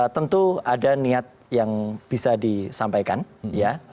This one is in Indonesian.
tentu ada niat yang bisa disampaikan ya